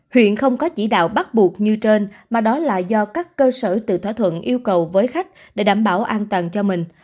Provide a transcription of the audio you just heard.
huyện không có chỉ đạo bắt buộc như trên mà đó là do các cơ sở tự thỏa thuận yêu cầu với khách để đảm bảo an toàn cho mình